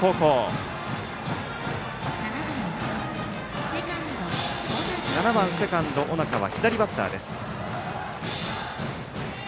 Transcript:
打席の７番セカンド、尾中は左バッターです。